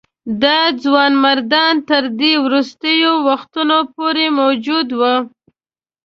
دا ځوانمردان تر دې وروستیو وختونو پورې موجود وه.